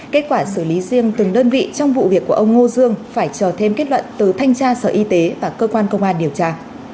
kết quả xử lý riêng từng đơn vị trong vụ việc của ông ngô dương phải chờ thêm kết luận từ thanh tra sở y tế và cơ quan công an điều tra